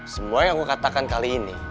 semua yang aku katakan kali ini